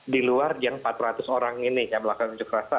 di luar yang empat ratus orang ini yang melakukan unjuk rasa